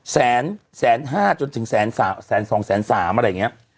แสนแสนห้าจนถึงแสนสามแสนสองแสนสามอะไรอย่างเงี้ย